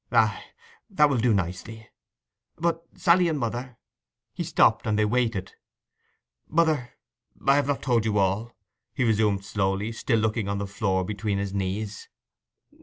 'Ay, that will do nicely. But, Sally and mother—' He stopped, and they waited. 'Mother, I have not told you all,' he resumed slowly, still looking on the floor between his knees.